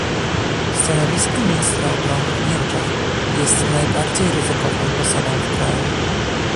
Stanowisko ministra obrony w Niemczech jest najbardziej ryzykowną posadą w kraju